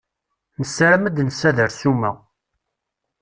Nessaram ad d-nssader ssuma.